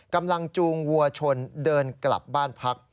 กำลังจูงวัวชนเดินกลับบ้านพัก